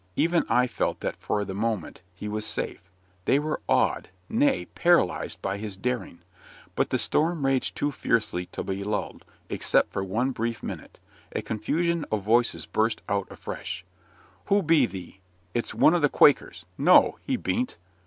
Even I felt that for the moment he was safe. They were awed nay, paralyzed, by his daring. But the storm raged too fiercely to be lulled, except for one brief minute. A confusion of voices burst out afresh "Who be thee?" "It's one o' the Quakers." "No, he bean't."